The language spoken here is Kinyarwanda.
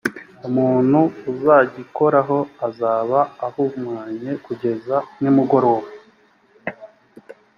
umuntu uzagikoraho azaba ahumanye kugeza nimugoroba